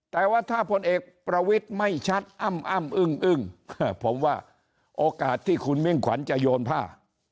แต่ว่าถ้าพลเอกประวิทย์ไม่ชัดอ้ำอึ้งผมว่าโอกาสที่คุณมิ่งขวัญจะโยนผ้า